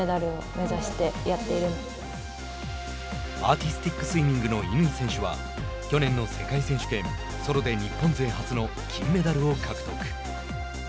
アーティスティックスイミングの乾選手は去年の世界選手権ソロで日本勢初の金メダルを獲得。